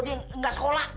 dia gak sekolah